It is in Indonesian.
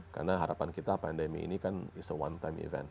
karena harapan kita pandemi ini kan is a one time event